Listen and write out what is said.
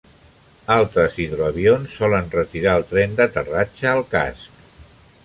Altres hidroavions solen retirar el tren d'aterratge al casc.